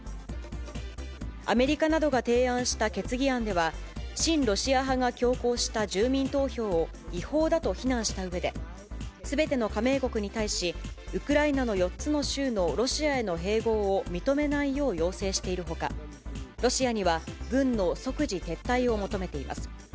アメリカなどが提案した決議案では、親ロシア派が強行した住民投票を違法だと非難したうえで、すべての加盟国に対し、ウクライナの４つの州のロシアへの併合を認めないよう要請しているほか、ロシアには軍の即時撤退を求めています。